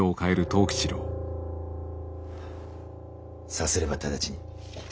さすれば直ちに。